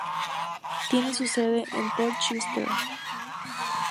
Tiene su sede en Port Chester.